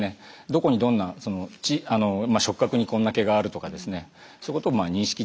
どこにどんな触角にこんな毛があるとかですねそういうことを認識